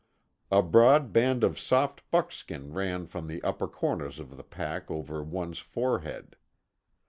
A broad band of soft buckskin ran from the upper corners of the pack over one's forehead.